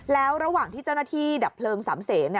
แล้วระหว่างที่เจ้าหน้าที่ดับเพลิงสามเศษ